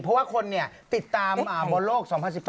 เพราะว่าคนติดตามบอลโลก๒๐๑๘